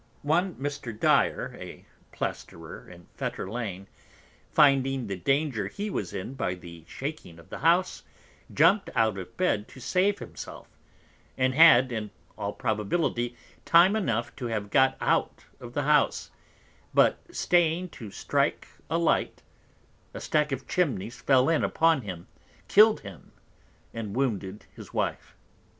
One Mr. Dyer, a Plaisterer in Fetter Lane, finding the Danger he was in by the shaking of the House, jumpt out of Bed to save himself; and had, in all Probability, Time enough to have got out of the House, but staying to strike a Light, a Stack of Chimneys fell in upon him, kill'd him, and wounded his Wife.